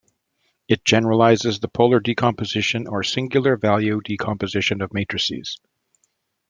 It generalizes the polar decomposition or singular value decomposition of matrices.